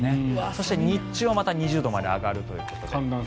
そして、日中はまた２０度まで上がるということで。